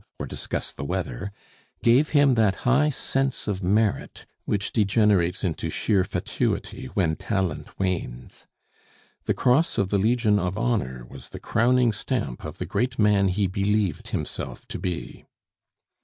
or discuss the weather, gave him that high sense of merit which degenerates into sheer fatuity when talent wanes. The Cross of the Legion of Honor was the crowning stamp of the great man he believed himself to be.